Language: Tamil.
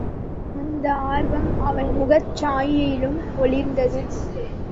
அந்த ஆர்வம் அவன் முகச்சாயையிலும் ஒளிர்ந்தது.